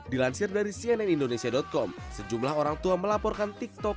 dilansir dari cnnindonesia com sejumlah orang tua melaporkan tiktok